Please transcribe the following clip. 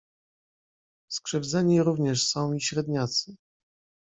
"Skrzywdzeni również są i średniacy."